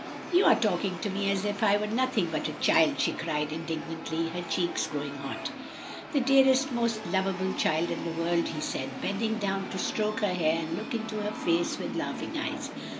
"You are talking to me as if I were nothing but a child!" she cried indignantly, her cheeks growing hot. "The dearest, most lovable child in the world," he said, bending down to stroke her hair and look into her face with laughing eyes.